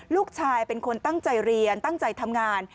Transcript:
ลูกชายเป็นคนตั้งใจเรียนตั้งใจทำงาน